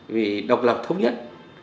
vì độc lập thống nhất